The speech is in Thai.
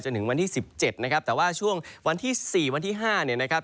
ถึงวันที่๑๗นะครับแต่ว่าช่วงวันที่๔วันที่๕เนี่ยนะครับ